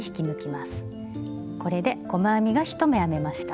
これで細編みが１目編めました。